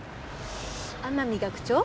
天海学長？